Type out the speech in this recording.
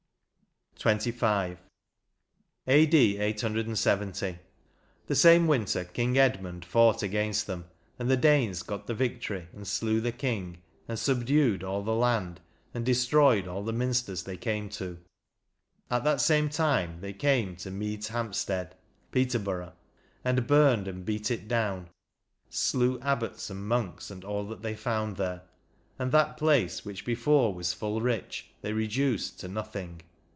50 XXV. " A.D. 870 ... the same winter King Edmund fought against them^ and the Danes got the victory and slew the king, and subdued all the land^ and destroyed all the minsters they came to .... At that same time they came to Medeshamstede (Peter borough), and burned and beat it down, slew abbot and monks, and all that they found there. And that place, which before was fall rich, they reduced to nothing."